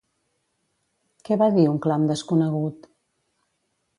Què va dir un clam desconegut?